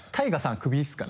クビですかね？